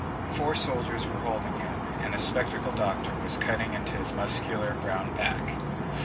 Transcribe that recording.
Four soldiers were holding him, and a spectacled doctor was cutting into his muscular brown back.